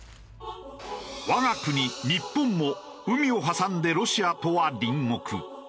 我が国日本も海を挟んでロシアとは隣国。